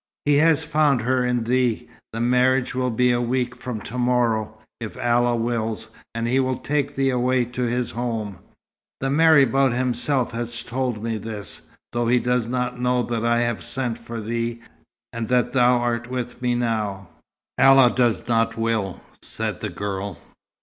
"He has found her in thee. The marriage will be a week from to morrow, if Allah wills, and he will take thee away to his home. The marabout himself has told me this, though he does not know that I have sent for thee, and that thou art with me now." "Allah does not will," said the girl.